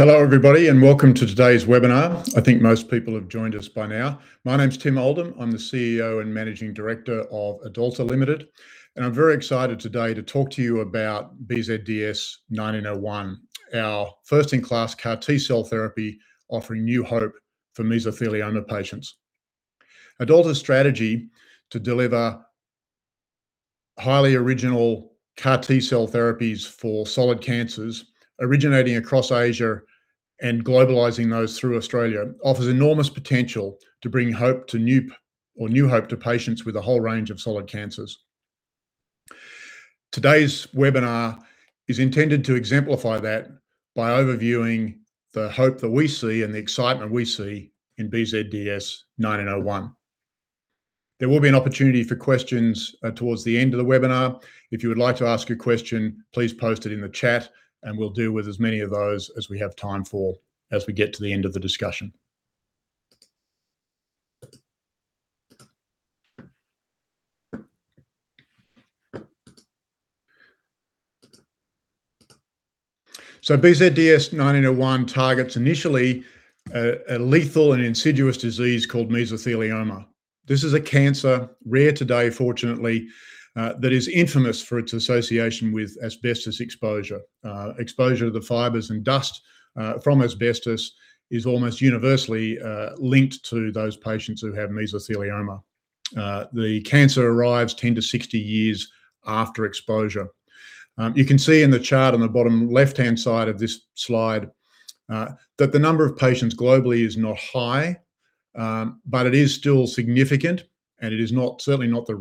Hello everybody. Welcome to today's webinar. I think most people have joined us by now. My name's Tim Oldham. I'm the CEO and Managing Director of AdAlta Limited, and I'm very excited today to talk to you about BZDS1901, our first-in-class CAR T-cell therapy offering new hope for mesothelioma patients. AdAlta's strategy to deliver highly original CAR T-cell therapies for solid cancers originating across Asia and globalizing those through Australia offers enormous potential to bring hope to new hope to patients with a whole range of solid cancers. Today's webinar is intended to exemplify that by overviewing the hope that we see and the excitement we see in BZDS1901. There will be an opportunity for questions towards the end of the webinar. If you would like to ask a question, please post it in the chat, and we'll deal with as many of those as we have time for as we get to the end of the discussion. BZDS1901 targets initially a lethal and insidious disease called mesothelioma. This is a cancer, rare today fortunately, that is infamous for its association with asbestos exposure. Exposure to the fibers and dust from asbestos is almost universally linked to those patients who have mesothelioma. The cancer arrives 10-60 years after exposure. You can see in the chart on the bottom left-hand side of this slide that the number of patients globally is not high, but it is still significant, and it is certainly not the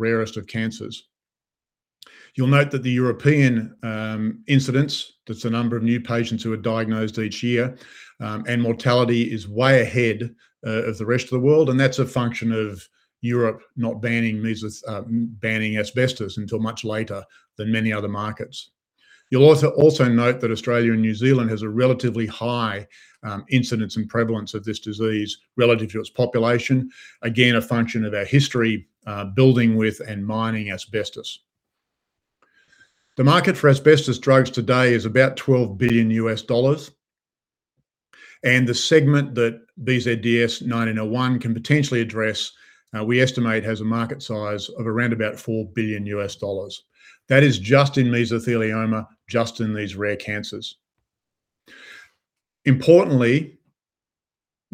rarest of cancers. You'll note that the European incidence, that's the number of new patients who are diagnosed each year, and mortality is way ahead of the rest of the world, and that's a function of Europe not banning mesothelioma, banning asbestos until much later than many other markets. You'll also note that Australia and New Zealand has a relatively high incidence and prevalence of this disease relative to its population. Again, a function of our history, building with and mining asbestos. The market for asbestos drugs today is about $12 billion, and the segment that BZDS1901 can potentially address, we estimate has a market size of around about $4 billion. That is just in mesothelioma, just in these rare cancers. Importantly,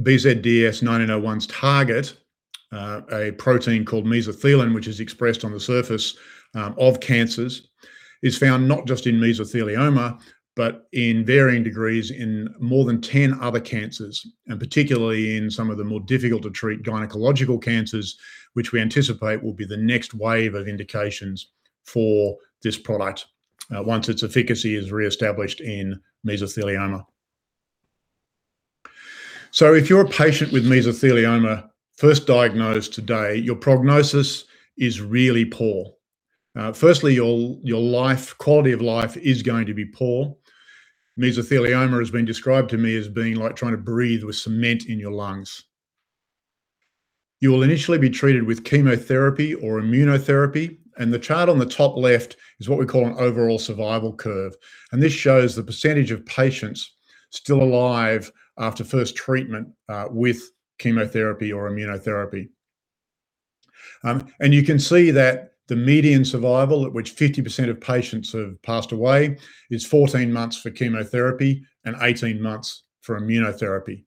BZDS1901's target, a protein called mesothelin, which is expressed on the surface of cancers, is found not just in mesothelioma, but in varying degrees in more than ten other cancers, and particularly in some of the more difficult to treat gynecological cancers, which we anticipate will be the next wave of indications for this product, once its efficacy is reestablished in mesothelioma. If you're a patient with mesothelioma first diagnosed today, your prognosis is really poor. Firstly, your life, quality of life is going to be poor. Mesothelioma has been described to me as being like trying to breathe with cement in your lungs. You will initially be treated with chemotherapy or immunotherapy. The chart on the top left is what we call an overall survival curve, and this shows the percentage of patients still alive after first treatment with chemotherapy or immunotherapy. You can see that the median survival at which 50% of patients have passed away is 14 months for chemotherapy and 18 months for immunotherapy.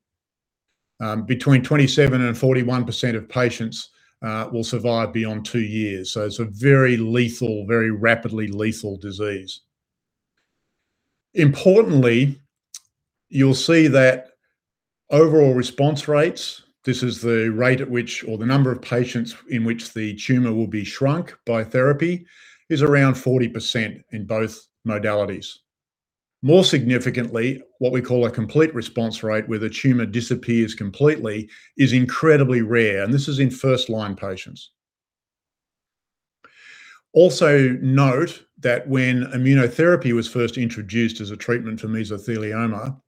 Between 27% and 41% of patients will survive beyond two years. It's a very lethal, very rapidly lethal disease. Importantly, you'll see that overall response rates, this is the rate at which, or the number of patients in which the tumor will be shrunk by therapy, is around 40% in both modalities. More significantly, what we call a complete response rate, where the tumor disappears completely, is incredibly rare, and this is in first-line patients. Note that when immunotherapy was first introduced as a treatment for mesothelioma,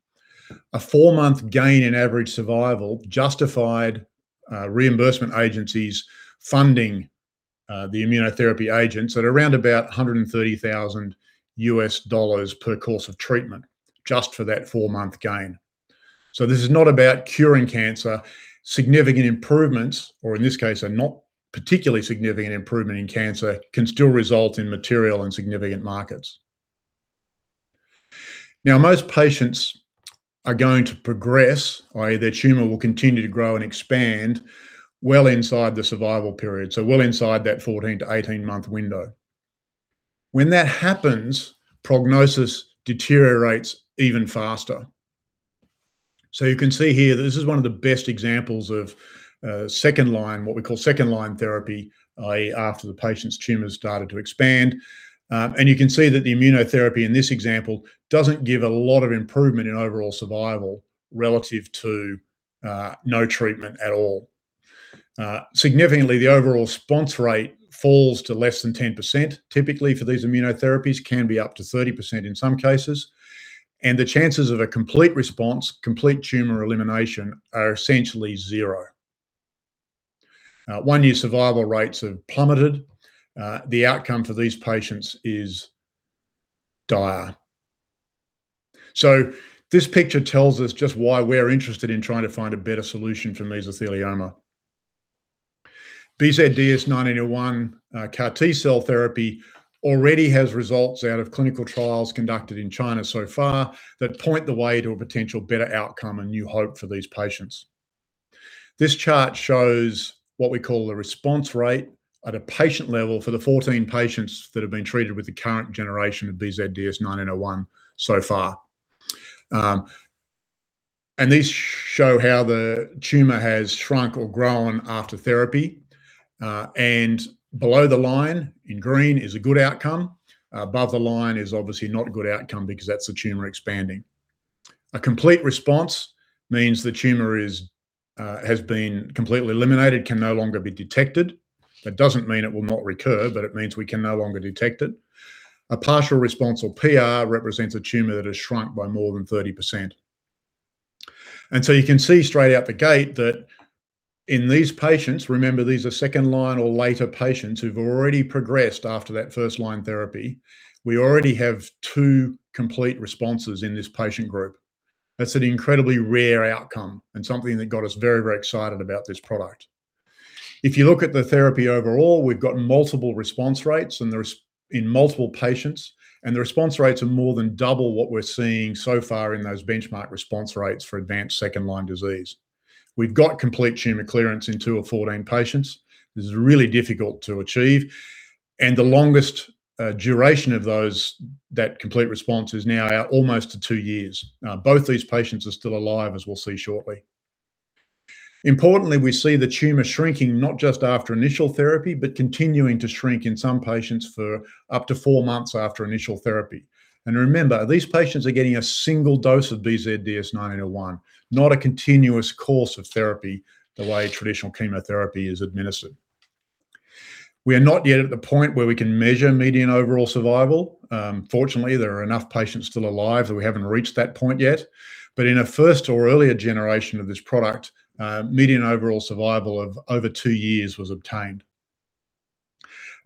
a four-month gain in average survival justified reimbursement agencies funding the immunotherapy agents at around about $130,000 U.S. dollars per course of treatment, just for that four-month gain. This is not about curing cancer. Significant improvements, or in this case, a not particularly significant improvement in cancer, can still result in material and significant markets. Most patients are going to progress, i.e. their tumor will continue to grow and expand well inside the survival period, so well inside that 14-18-month window. When that happens, prognosis deteriorates even faster. You can see here, this is one of the best examples of second line, what we call second-line therapy, i.e. after the patient's tumor's started to expand. You can see that the immunotherapy in this example doesn't give a lot of improvement in overall survival relative to no treatment at all. Significantly, the overall response rate falls to less than 10%. Typically for these immunotherapies, can be up to 30% in some cases, and the chances of a complete response, complete tumor elimination, are essentially zero. One-year survival rates have plummeted. The outcome for these patients is dire. This picture tells us just why we're interested in trying to find a better solution for mesothelioma. BZDS1901 CAR T-cell therapy already has results out of clinical trials conducted in China so far that point the way to a potential better outcome and new hope for these patients. This chart shows what we call the response rate at a patient level for the 14 patients that have been treated with the current generation of BZDS1901 so far. These show how the tumor has shrunk or grown after therapy. Below the line in green is a good outcome, above the line is obviously not a good outcome because that's the tumor expanding. A complete response means the tumor is has been completely eliminated, can no longer be detected. That doesn't mean it will not recur, but it means we can no longer detect it. A partial response, or PR, represents a tumor that has shrunk by more than 30%. You can see straight out the gate that in these patients, remember these are second line or later patients who've already progressed after that first line therapy, we already have two complete responses in this patient group. That's an incredibly rare outcome and something that got us very, very excited about this product. If you look at the therapy overall, we've got multiple response rates and there's, in multiple patients, and the response rates are more than double what we're seeing so far in those benchmark response rates for advanced second line disease. We've got complete tumor clearance in two of 14 patients. This is really difficult to achieve. The longest duration of those, that complete response is now out almost to two years. Both these patients are still alive, as we'll see shortly. We see the tumor shrinking not just after initial therapy but continuing to shrink in some patients for up to four months after initial therapy. Remember, these patients are getting a single dose of BZDS1901, not a continuous course of therapy the way traditional chemotherapy is administered. We are not yet at the point where we can measure median overall survival. Fortunately, there are enough patients still alive that we haven't reached that point yet. In a first or earlier generation of this product, median overall survival of over two years was obtained.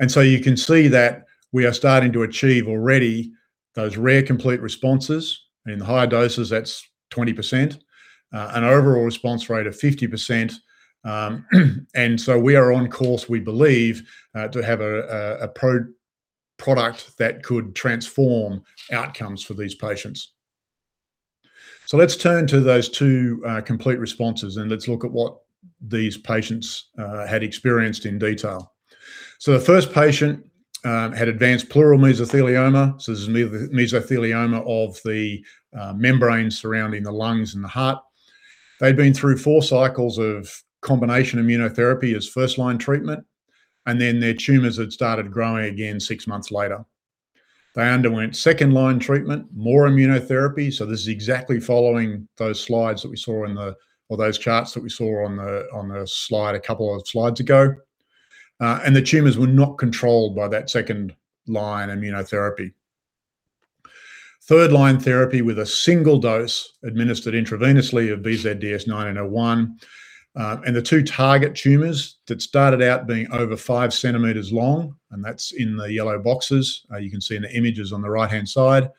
You can see that we are starting to achieve already those rare complete responses. In the higher doses, that's 20%. An overall response rate of 50%. We are on course, we believe, to have a product that could transform outcomes for these patients. Let's turn to those two complete responses, and let's look at what these patients had experienced in detail. The first patient had advanced pleural mesothelioma. This is mesothelioma of the membrane surrounding the lungs and the heart. They'd been through four cycles of combination immunotherapy as first-line treatment, and then their tumors had started growing again six months later. They underwent second-line treatment, more immunotherapy. This is exactly following those slides that we saw in the, or those charts that we saw on the, on the slide a couple of slides ago. The tumors were not controlled by that second-line immunotherapy. Third-line therapy with a single dose administered intravenously of BZDS1901, and the two target tumors that started out being over 5 cm long, and that's in the yellow boxes, you can see in the images on the right-hand side.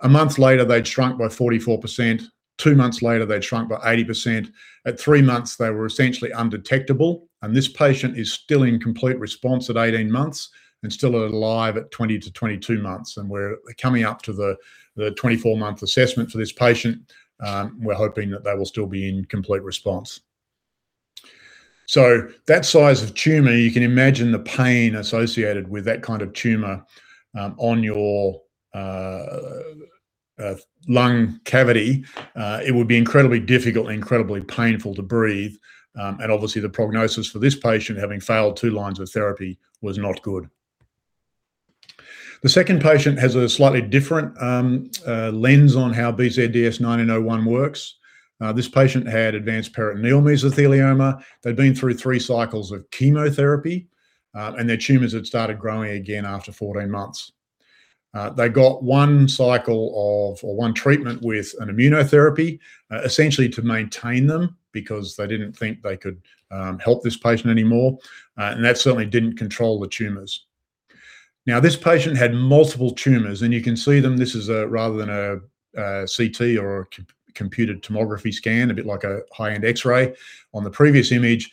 A month later, they'd shrunk by 44%. Two months later, they'd shrunk by 80%. At three months, they were essentially undetectable. This patient is still in complete response at 18 months and still alive at 20-22 months. We're coming up to the 24-month assessment for this patient. We're hoping that they will still be in complete response. That size of tumor, you can imagine the pain associated with that kind of tumor, on your lung cavity. It would be incredibly difficult and incredibly painful to breathe. Obviously, the prognosis for this patient having failed two lines of therapy was not good. The second patient has a slightly different lens on how BZDS1901 works. This patient had advanced peritoneal mesothelioma. They had been through three cycles of chemotherapy, and their tumors had started growing again after 14 months. They got one cycle of, or one treatment with an immunotherapy, essentially to maintain them because they did not think they could help this patient anymore. That certainly did not control the tumors. Now, this patient had multiple tumors, and you can see them. This is rather than a CT or a computed tomography scan, a bit like a high-end X-ray on the previous image,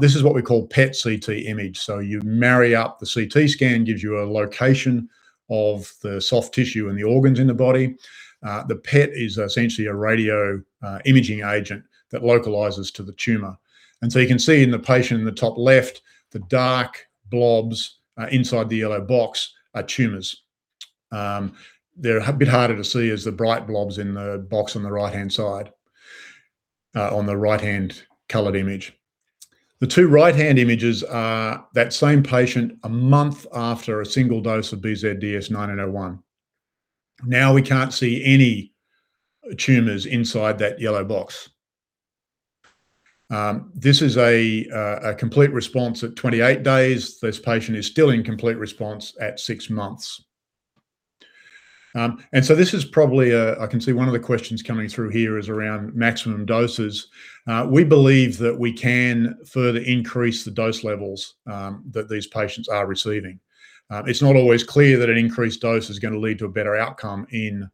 this is what we call PET-CT image. You marry up the CT scan, gives you a location of the soft tissue and the organs in the body. The PET is essentially a radio imaging agent that localizes to the tumor. You can see in the patient in the top left, the dark blobs inside the yellow box are tumors. They're a bit harder to see as the bright blobs in the box on the right-hand side, on the right-hand colored image. The two right-hand images are that same patient a month after a single dose of BZDS1901. We can't see any tumors inside that yellow box. This is a complete response at 28 days. This patient is still in complete response at six months. This is probably, I can see one of the questions coming through here is around maximum doses. We believe that we can further increase the dose levels that these patients are receiving. It's not always clear that an increased dose is gonna lead to a better outcome in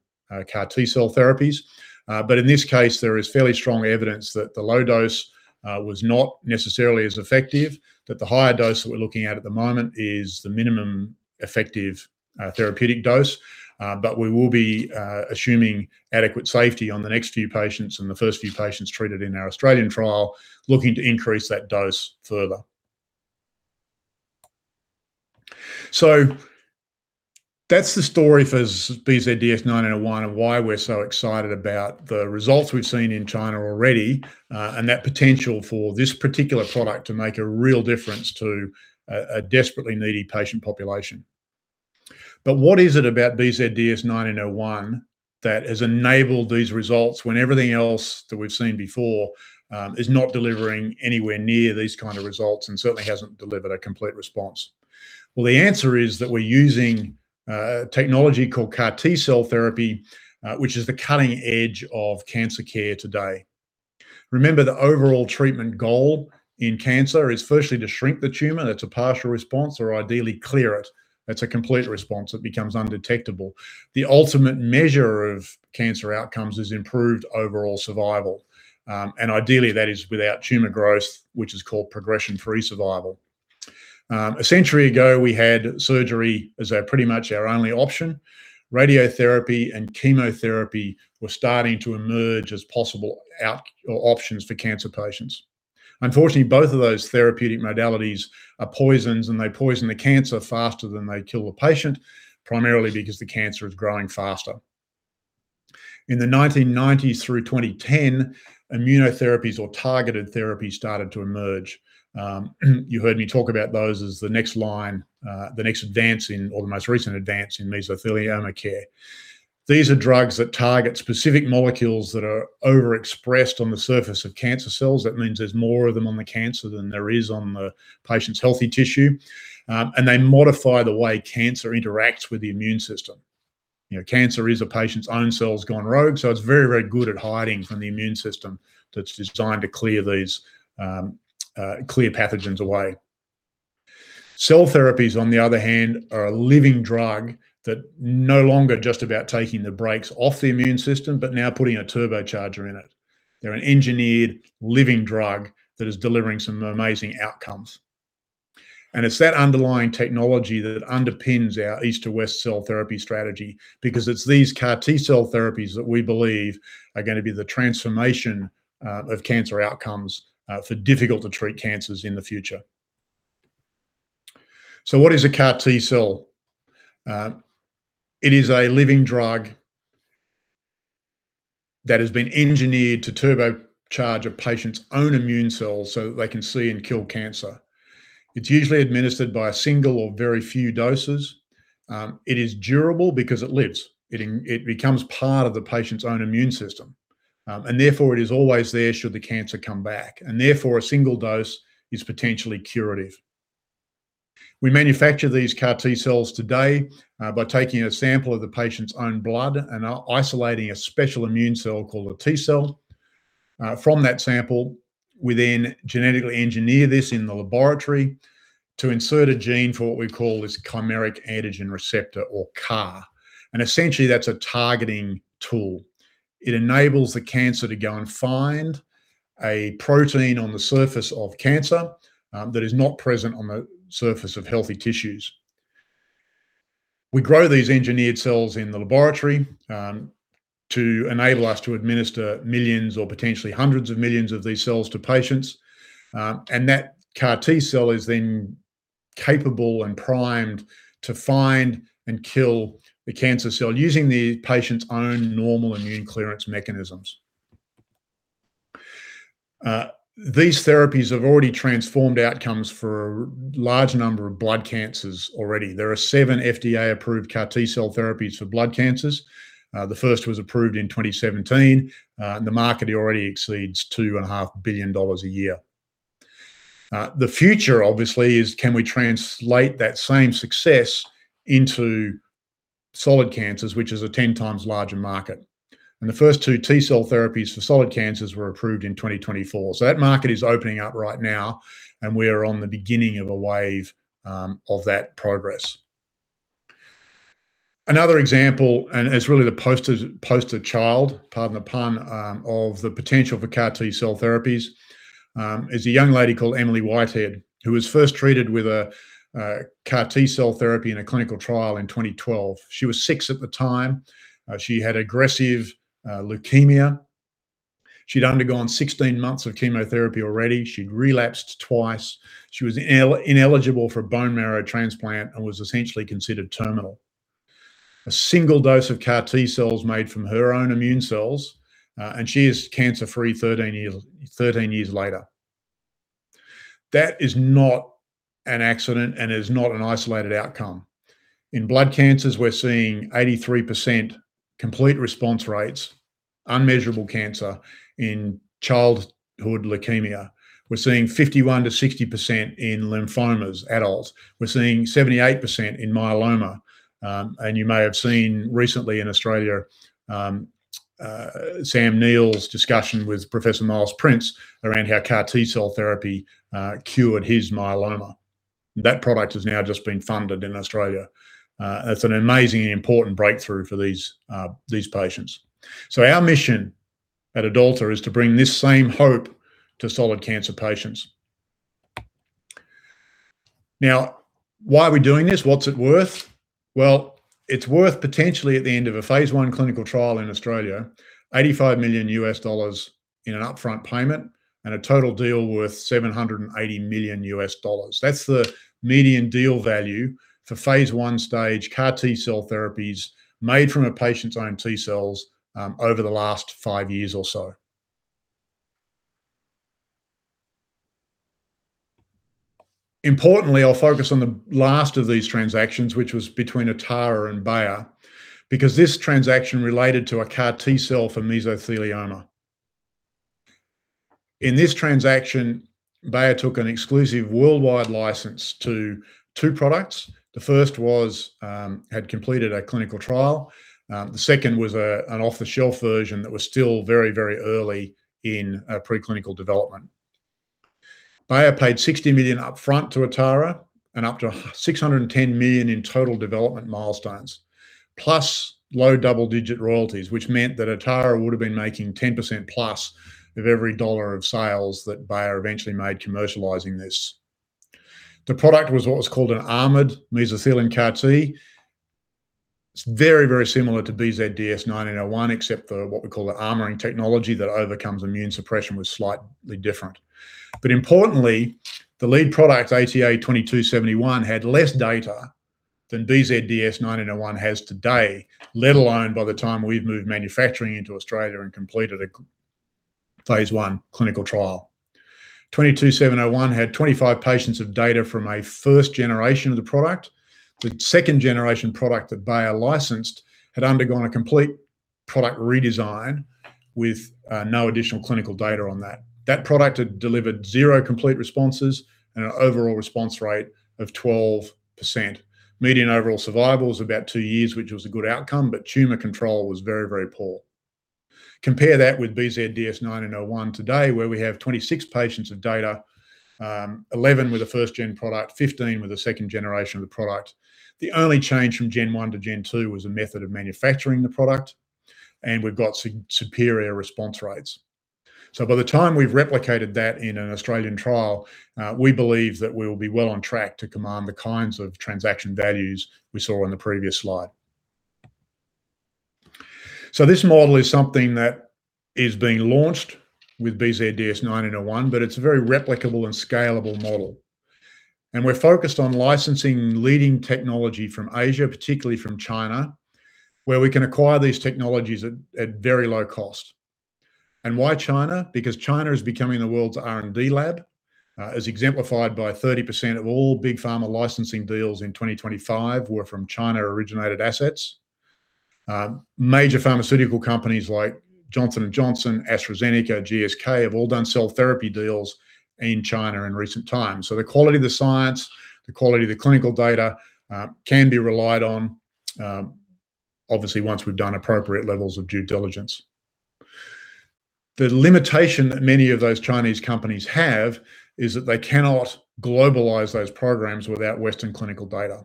CAR T-cell therapies. In this case, there is fairly strong evidence that the low dose was not necessarily as effective, that the higher dose that we're looking at the moment is the minimum effective therapeutic dose. We will be assuming adequate safety on the next few patients and the first few patients treated in our Australian trial, looking to increase that dose further. That's the story for BZDS1901 and why we're so excited about the results we've seen in China already, and that potential for this particular product to make a real difference to a desperately needy patient population. What is it about BZDS1901 that has enabled these results when everything else that we've seen before, is not delivering anywhere near these kind of results and certainly hasn't delivered a complete response? The answer is that we're using technology called CAR T-cell therapy, which is the cutting edge of cancer care today. Remember, the overall treatment goal in cancer is firstly to shrink the tumor. That's a partial response, or ideally clear it. That's a complete response. It becomes undetectable. The ultimate measure of cancer outcomes is improved overall survival. Ideally that is without tumor growth, which is called progression-free survival. A century ago, we had surgery as pretty much our only option. Radiotherapy and chemotherapy were starting to emerge as possible options for cancer patients. Unfortunately, both of those therapeutic modalities are poisons, and they poison the cancer faster than they kill the patient, primarily because the cancer is growing faster. In the 1990s through 2010, immunotherapies or targeted therapies started to emerge. You heard me talk about those as the next line, the next advance in, or the most recent advance in mesothelioma care. These are drugs that target specific molecules that are overexpressed on the surface of cancer cells. That means there's more of them on the cancer than there is on the patient's healthy tissue. They modify the way cancer interacts with the immune system. You know, cancer is a patient's own cells gone rogue, it's very, very good at hiding from the immune system that's designed to clear these, clear pathogens away. Cell therapies, on the other hand, are a living drug that no longer just about taking the brakes off the immune system, but now putting a turbocharger in it. They're an engineered living drug that is delivering some amazing outcomes. It's that underlying technology that underpins our East to West cell therapy strategy because it's these CAR T-cell therapies that we believe are gonna be the transformation of cancer outcomes for difficult to treat cancers in the future. What is a CAR T-cell? It is a living drug that has been engineered to turbocharge a patient's own immune cells so they can see and kill cancer. It's usually administered by a single or very few doses. It is durable because it lives. It becomes part of the patient's own immune system. It is always there should the cancer come back. A single dose is potentially curative. We manufacture these CAR T-cells today by taking a sample of the patient's own blood and isolating a special immune cell called a T-cell. From that sample, we then genetically engineer this in the laboratory to insert a gene for what we call this chimeric antigen receptor, or CAR. Essentially that's a targeting tool. It enables the cancer to go and find a protein on the surface of cancer that is not present on the surface of healthy tissues. We grow these engineered cells in the laboratory to enable us to administer millions or potentially hundreds of millions of these cells to patients. That CAR T-cell is then capable and primed to find and kill the cancer cell using the patient's own normal immune clearance mechanisms. These therapies have already transformed outcomes for a large number of blood cancers already. There are seven FDA-approved CAR T-cell therapies for blood cancers. The first was approved in 2017. The market already exceeds $2.5 billion a year. The future obviously is can we translate that same success into solid cancers, which is a 10x larger market. The first two T-cell therapies for solid cancers were approved in 2024. That market is opening up right now, and we are on the beginning of a wave of that progress. Another example, it's really the poster child, pardon the pun, of the potential for CAR T-cell therapies, is a young lady called Emily Whitehead, who was first treated with a CAR T-cell therapy in a clinical trial in 2012. She was six at the time. She had aggressive leukemia. She'd undergone 16 months of chemotherapy already. She'd relapsed twice. She was ineligible for bone marrow transplant and was essentially considered terminal. A single dose of CAR T-cells made from her own immune cells, and she is cancer-free 13 years later. That is not an accident and is not an isolated outcome. In blood cancers, we're seeing 83% complete response rates, unmeasurable cancer in childhood leukemia. We're seeing 51%-60% in lymphomas, adults. We're seeing 78% in myeloma. You may have seen recently in Australia, Sam Neill's discussion with Professor Miles Prince around how CAR T-cell therapy cured his myeloma. That product has now just been funded in Australia. It's an amazing and important breakthrough for these patients. Our mission at AdAlta is to bring this same hope to solid cancer patients. Why are we doing this? What's it worth? It's worth potentially at the end of a phase I clinical trial in Australia, $85 million in an upfront payment and a total deal worth $780 million. That's the median deal value for phase I stage CAR T-cell therapies made from a patient's own T-cells over the last five years or so. Importantly, I'll focus on the last of these transactions, which was between Atara and Bayer, because this transaction related to a CAR T-cell for mesothelioma. In this transaction, Bayer took an exclusive worldwide license to two products. The first had completed a clinical trial. The second was an off-the-shelf version that was still very early in preclinical development. Bayer paid 60 million upfront to Atara and up to 610 million in total development milestones, plus low double-digit royalties, which meant that Atara would have been making 10%+ of every AUD of sales that Bayer eventually made commercializing this. The product was what was called an armored mesothelin CAR T. It's very similar to BZDS1901, except for what we call the armoring technology that overcomes immune suppression was slightly different. Importantly, the lead product, ATA2271, had less data than BZDS1901 has today, let alone by the time we've moved manufacturing into Australia and completed a phase I clinical trial. ATA2271 had 25 patients of data from a first generation of the product. The second-generation product that Bayer licensed had undergone a complete product redesign with no additional clinical data on that. That product had delivered zero complete responses and an overall response rate of 12%. Median overall survival was about two years, which was a good outcome, tumor control was very, very poor. Compare that with BZDS1901 today, where we have 26 patients of data, 11 with a first gen product, 15 with a second generation of the product. The only change from Gen 1 to Gen 2 was a method of manufacturing the product, we've got superior response rates. By the time we've replicated that in an Australian trial, we believe that we will be well on track to command the kinds of transaction values we saw in the previous slide. This model is something that is being launched with BZDS1901, but it's a very replicable and scalable model. We're focused on licensing leading technology from Asia, particularly from China, where we can acquire these technologies at very low cost. Why China? Because China is becoming the world's R&D lab, as exemplified by 30% of all big pharma licensing deals in 2025 were from China-originated assets. Major pharmaceutical companies like Johnson & Johnson, AstraZeneca, GSK have all done cell therapy deals in China in recent times. The quality of the science, the quality of the clinical data can be relied on, obviously once we've done appropriate levels of due diligence. The limitation that many of those Chinese companies have is that they cannot globalize those programs without Western clinical data.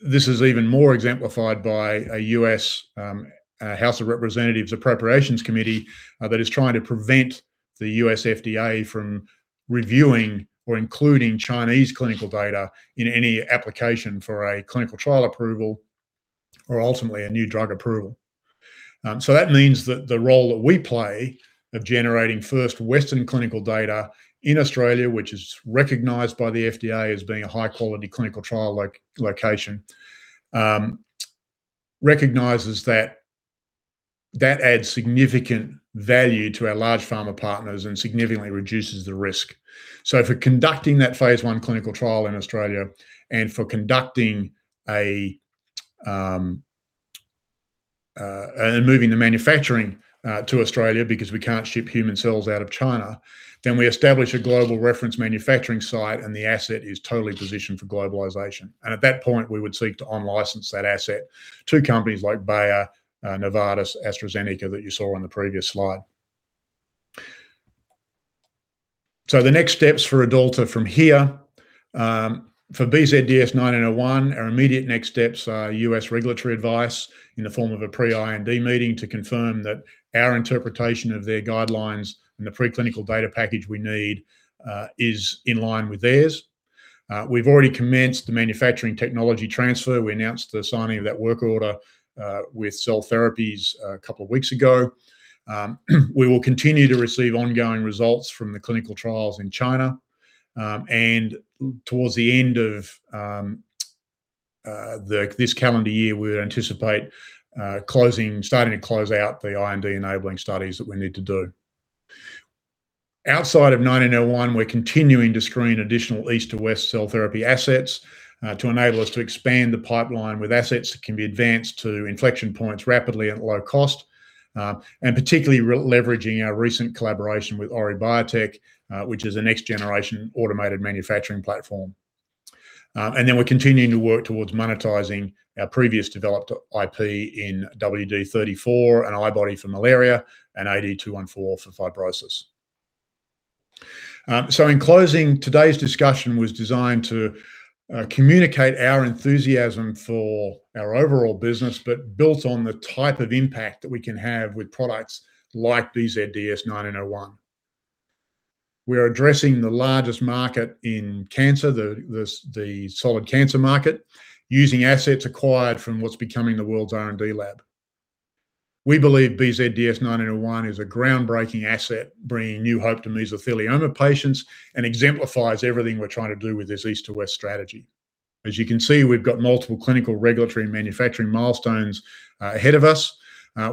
This is even more exemplified by a U.S. House of Representatives Appropriations Committee that is trying to prevent the U.S. FDA from reviewing or including Chinese clinical data in any application for a clinical trial approval or ultimately a new drug approval. That means that the role that we play of generating first Western clinical data in Australia, which is recognized by the FDA as being a high-quality clinical trial location, recognizes that that adds significant value to our large pharma partners and significantly reduces the risk. For conducting that phase I clinical trial in Australia and moving the manufacturing to Australia because we can't ship human cells out of China, then we establish a global reference manufacturing site and the asset is totally positioned for globalization. At that point, we would seek to on-license that asset to companies like Bayer, Novartis, AstraZeneca that you saw on the previous slide. The next steps for AdAlta from here, for BZDS1901, our immediate next steps are U.S. regulatory advice in the form of a pre-IND meeting to confirm that our interpretation of their guidelines and the preclinical data package we need is in line with theirs. We have already commenced the manufacturing technology transfer. We announced the signing of that work order with Cell Therapies a couple of weeks ago. We will continue to receive ongoing results from the clinical trials in China. Towards the end of this calendar year, we anticipate starting to close out the IND-enabling studies that we need to do. Outside of BZDS1901, we're continuing to screen additional East to West cell therapy assets to enable us to expand the pipeline with assets that can be advanced to inflection points rapidly at low cost, and particularly re-leveraging our recent collaboration with Ori Biotech, which is a next generation automated manufacturing platform. We're continuing to work towards monetizing our previous developed IP in WD-34, an antibody for malaria, and AD-214 for fibrosis. In closing, today's discussion was designed to communicate our enthusiasm for our overall business, but built on the type of impact that we can have with products like BZDS1901. We're addressing the largest market in cancer, the solid cancer market, using assets acquired from what's becoming the world's R&D lab. We believe BZDS1901 is a groundbreaking asset, bringing new hope to mesothelioma patients, exemplifies everything we're trying to do with this East to West strategy. As you can see, we've got multiple clinical regulatory and manufacturing milestones ahead of us.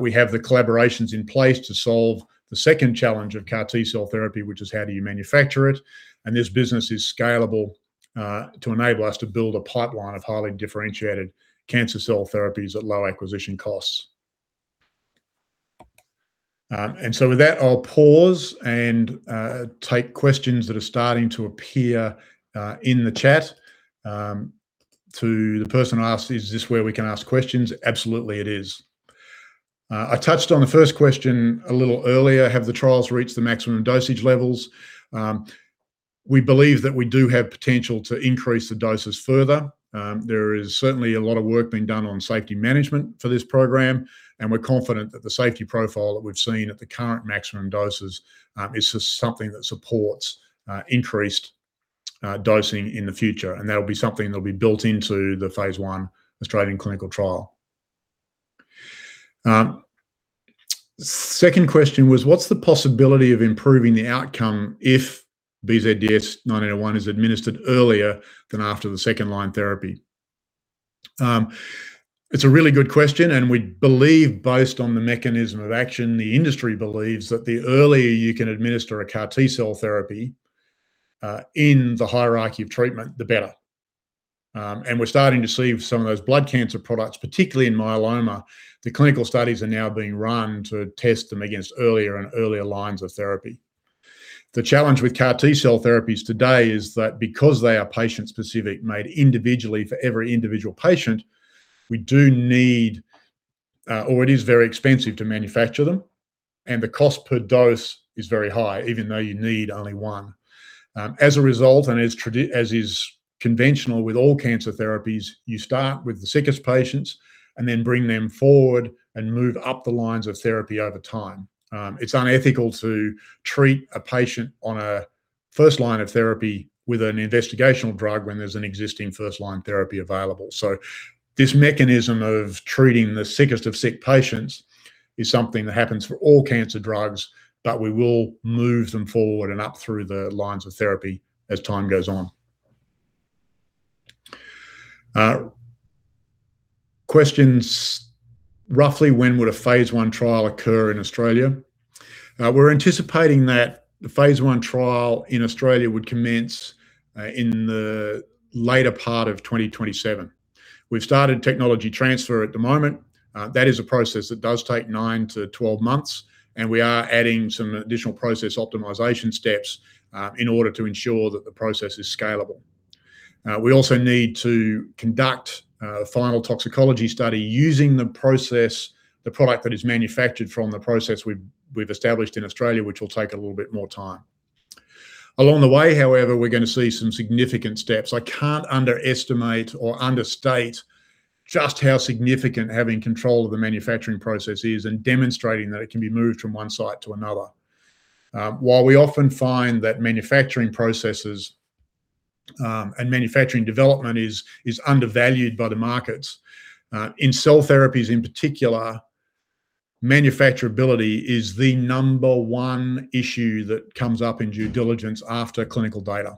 We have the collaborations in place to solve the second challenge of CAR T-cell therapy, which is how do you manufacture it, this business is scalable to enable us to build a pipeline of highly differentiated cancer cell therapies at low acquisition costs. With that, I'll pause and take questions that are starting to appear in the chat. To the person who asked, "Is this where we can ask questions?" Absolutely, it is. I touched on the first question a little earlier: Have the trials reached the maximum dosage levels? We believe that we do have potential to increase the doses further. There is certainly a lot of work being done on safety management for this program, and we're confident that the safety profile that we've seen at the current maximum doses is just something that supports increased dosing in the future, and that'll be something that'll be built into the phase I Australian clinical trial. Second question was, what's the possibility of improving the outcome if BZDS1901 is administered earlier than after the second-line therapy? It's a really good question, and we believe, based on the mechanism of action, the industry believes that the earlier you can administer a CAR T-cell therapy in the hierarchy of treatment, the better. We're starting to see some of those blood cancer products, particularly in myeloma, the clinical studies are now being run to test them against earlier and earlier lines of therapy. The challenge with CAR T-cell therapies today is that because they are patient-specific, made individually for every individual patient, we do need, or it is very expensive to manufacture them, and the cost per dose is very high, even though you need only one. As a result, and as is conventional with all cancer therapies, you start with the sickest patients, and then bring them forward and move up the lines of therapy over time. It's unethical to treat a patient on a first line of therapy with an investigational drug when there's an existing first-line therapy available. This mechanism of treating the sickest of sick patients is something that happens for all cancer drugs, but we will move them forward and up through the lines of therapy as time goes on. Question's roughly when would a phase I trial occur in Australia? We're anticipating that the phase I trial in Australia would commence in the later part of 2027. We've started technology transfer at the moment. That is a process that does take nine-12 months, and we are adding some additional process optimization steps in order to ensure that the process is scalable. We also need to conduct a final toxicology study using the process, the product that is manufactured from the process we've established in Australia, which will take a little bit more time. Along the way, however, we're gonna see some significant steps. I can't underestimate or understate just how significant having control of the manufacturing process is and demonstrating that it can be moved from one site to another. While we often find that manufacturing processes and manufacturing development is undervalued by the markets, in cell therapies in particular, manufacturability is the number one issue that comes up in due diligence after clinical data.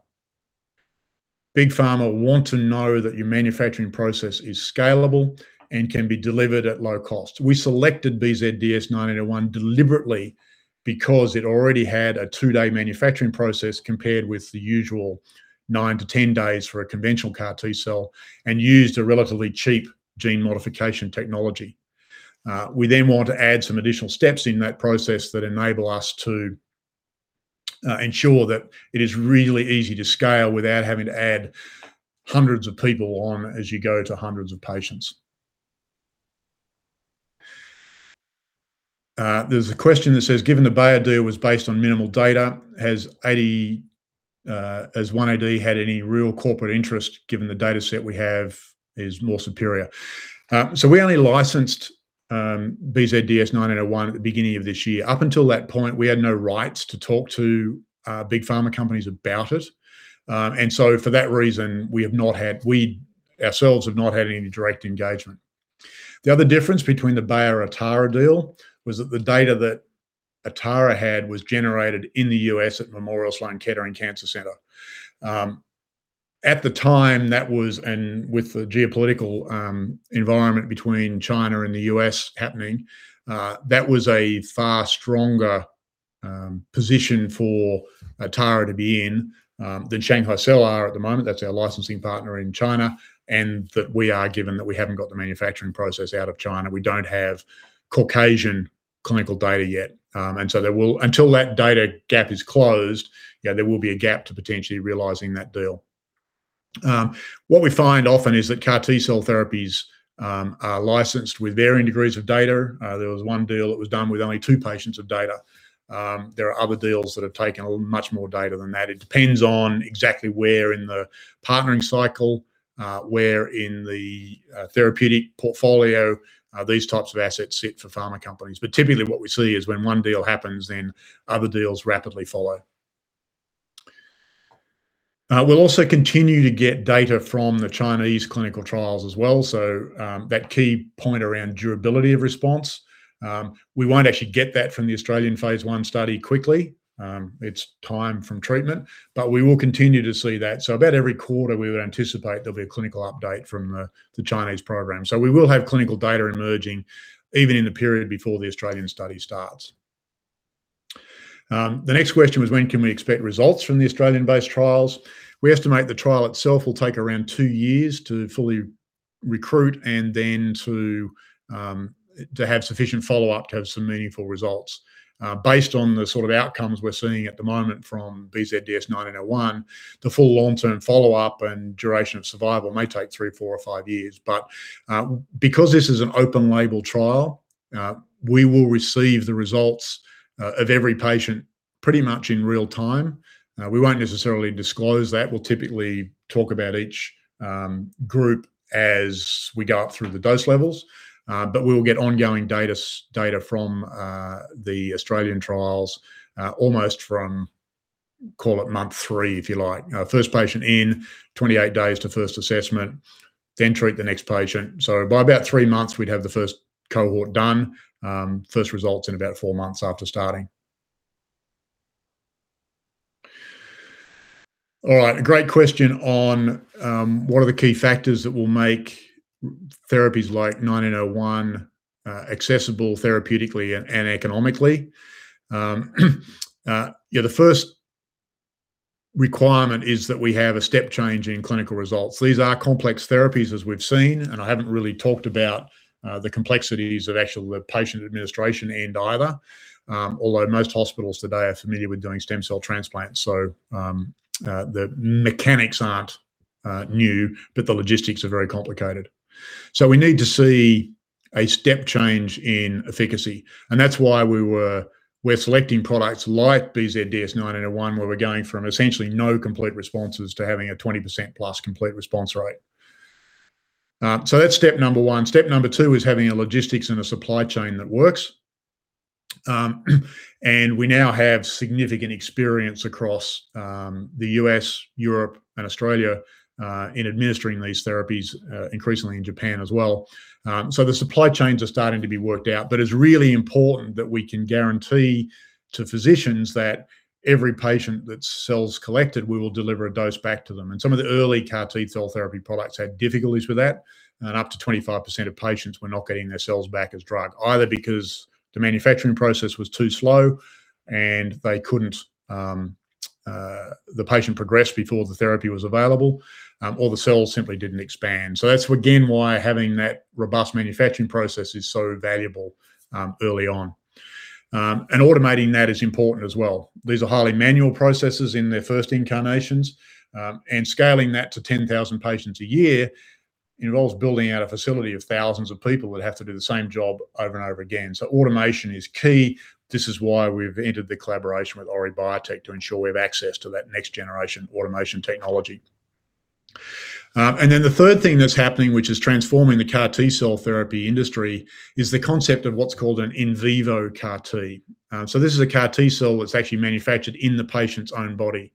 Big Pharma want to know that your manufacturing process is scalable and can be delivered at low cost. We selected BZDS1901 deliberately because it already had a two-day manufacturing process compared with the usual nine-10 days for a conventional CAR T-cell and used a relatively cheap gene modification technology. We then want to add some additional steps in that process that enable us to ensure that it is really easy to scale without having to add hundreds of people on as you go to hundreds of patients. There's a question that says, "Given the Bayer deal was based on minimal data, has 1AD had any real corporate interest given the data set we have is more superior?" We only licensed BZDS1901 at the beginning of this year. Up until that point, we had no rights to talk to big pharma companies about it. For that reason, we have not had, we ourselves have not had any direct engagement. The other difference between the Bayer-Atara deal was that the data that Atara had was generated in the U.S. at Memorial Sloan Kettering Cancer Center. At the time, that was with the geopolitical environment between China and the U.S. happening, that was a far stronger position for Atara to be in than Shanghai Cell Therapy Group are at the moment, that's our licensing partner in China, and that we are given that we haven't got the manufacturing process out of China. We don't have Caucasian clinical data yet. Until that data gap is closed, there will be a gap to potentially realizing that deal. What we find often is that CAR T-cell therapies are licensed with varying degrees of data. There was one deal that was done with only two patients of data. There are other deals that have taken much more data than that. It depends on exactly where in the partnering cycle, where in the therapeutic portfolio, these types of assets sit for pharma companies. Typically, what we see is when one deal happens, then other deals rapidly follow. We'll also continue to get data from the Chinese clinical trials as well. That key point around durability of response, we won't actually get that from the Australian phase I study quickly. It's time from treatment, we will continue to see that. About every quarter we would anticipate there'll be a clinical update from the Chinese program. We will have clinical data emerging even in the period before the Australian study starts. The next question was, when can we expect results from the Australian-based trials? We estimate the trial itself will take around two years to fully recruit and then to have sufficient follow-up to have some meaningful results. Based on the sort of outcomes we're seeing at the moment from BZDS1901, the full long-term follow-up and duration of survival may take three, four or five years. Because this is an open-label trial, we will receive the results of every patient pretty much in real time. We won't necessarily disclose that. We'll typically talk about each group as we go up through the dose levels. We'll get ongoing data from the Australian trials almost from, call it month three, if you like. First patient in, 28 days to first assessment, then treat the next patient. By about three months, we'd have the first cohort done, first results in about four months after starting. A great question on what are the key factors that will make therapies like 1901 accessible therapeutically and economically? The first requirement is that we have a step change in clinical results. These are complex therapies, as we've seen, and I haven't really talked about the complexities of actual the patient administration end either. Although most hospitals today are familiar with doing stem cell transplants, the mechanics aren't new, but the logistics are very complicated. We need to see a step change in efficacy, and that's why we're selecting products like BZDS1901, where we're going from essentially no complete responses to having a 20%+ complete response rate. That's step number one. Step number two is having a logistics and a supply chain that works. We now have significant experience across the U.S., Europe, and Australia in administering these therapies increasingly in Japan as well. The supply chains are starting to be worked out, but it's really important that we can guarantee to physicians that every patient that cells collected, we will deliver a dose back to them. Some of the early CAR T-cell therapy products had difficulties with that, and up to 25% of patients were not getting their cells back as drug, either because the manufacturing process was too slow and they couldn't the patient progressed before the therapy was available, or the cells simply didn't expand. That's, again, why having that robust manufacturing process is so valuable early on. Automating that is important as well. These are highly manual processes in their first incarnations, scaling that to 10,000 patients a year involves building out a facility of thousands of people that have to do the same job over and over again. Automation is key. This is why we've entered the collaboration with Ori Biotech to ensure we have access to that next generation automation technology. Then the third thing that's happening, which is transforming the CAR T-cell therapy industry, is the concept of what's called an in vivo CAR T. This is a CAR T-cell that's actually manufactured in the patient's own body.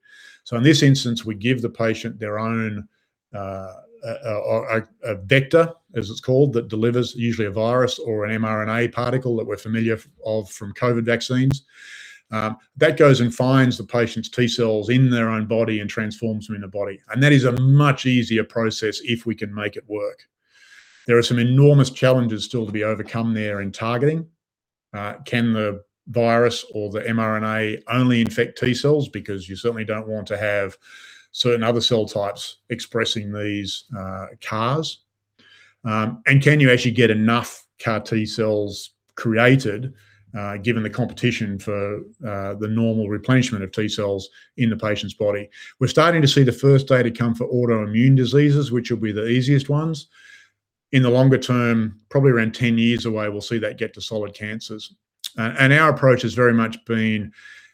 In this instance, we give the patient their own a vector, as it's called, that delivers usually a virus or an mRNA particle that we're familiar of from COVID vaccines. That goes and finds the patient's T-cells in their own body and transforms them in the body. That is a much easier process if we can make it work. There are some enormous challenges still to be overcome there in targeting. Can the virus or the mRNA only infect T-cells? Because you certainly don't want to have certain other cell types expressing these CARs. Can you actually get enough CAR T-cells created, given the competition for the normal replenishment of T-cells in the patient's body? We're starting to see the first data come for autoimmune diseases, which will be the easiest ones. In the longer term, probably around 10 years away, we'll see that get to solid cancers. Our approach has very much been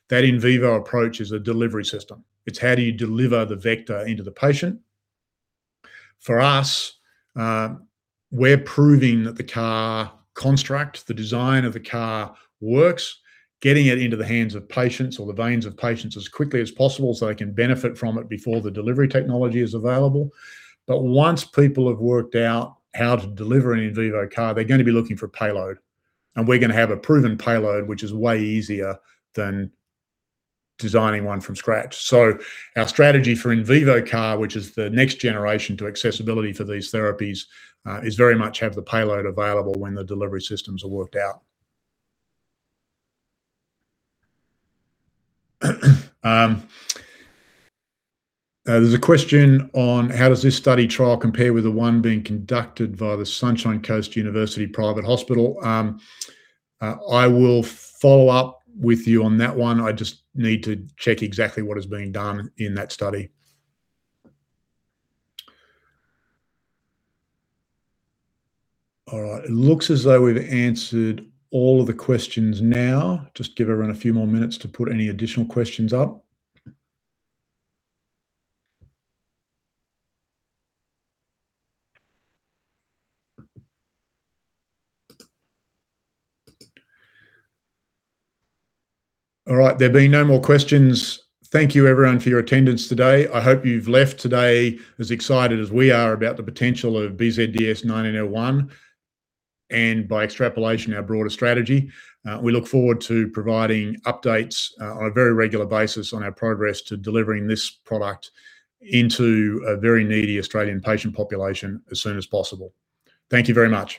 that in vivo approach is a delivery system. It's how do you deliver the vector into the patient? For us, we're proving that the CAR construct, the design of the CAR works, getting it into the hands of patients or the veins of patients as quickly as possible so they can benefit from it before the delivery technology is available. Once people have worked out how to deliver an in vivo CAR, they're gonna be looking for payload, and we're gonna have a proven payload, which is way easier than designing one from scratch. Our strategy for in vivo CAR, which is the next generation to accessibility for these therapies, is very much have the payload available when the delivery systems are worked out. There's a question on: How does this study trial compare with the one being conducted by the Sunshine Coast University Private Hospital? I will follow up with you on that one. I just need to check exactly what is being done in that study. All right. It looks as though we've answered all of the questions now. Just give everyone a few more minutes to put any additional questions up. All right. There being no more questions, thank you everyone for your attendance today. I hope you've left today as excited as we are about the potential of BZDS1901 and, by extrapolation, our broader strategy. We look forward to providing updates on a very regular basis on our progress to delivering this product into a very needy Australian patient population as soon as possible. Thank you very much.